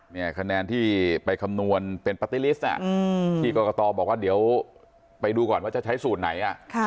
คะแนนที่ไปคำนวณเป็นปาร์ตี้ลิสต์ที่กรกตบอกว่าเดี๋ยวไปดูก่อนว่าจะใช้สูตรไหน